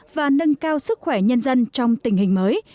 và nâng cao sức khỏe nhân dân trong tình hình mới